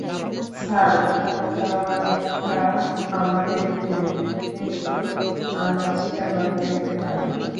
Sir, ওখানে যাওয়াটা আমাদের ভুল কিন্তু, আমরা চিতাবাঘ দেখতে পাইনি।